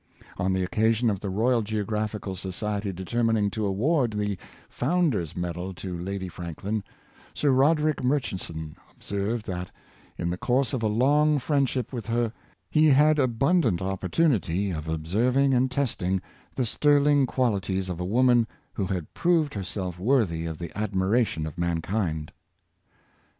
On the occasion of the Royal Geo graphical Society determining to award the "Founder's Medal" to Lady Franklin, Sir Roderick Murchison ob served that, in the course of a long friendship with her, he had abundant opportunity of observing and testing the sterling qualities of a woman who had proved her Women Philanthropists, 467 self worthy of the admiration of mankind.